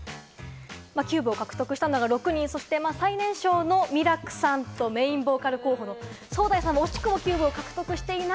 キューブを獲得したのは６人、そして最年少のミラクさんとメインボーカル候補のソウダイさんが惜しくもキューブを獲得していな